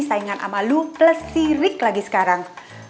saingan sama lu plus si rik lagi sekarang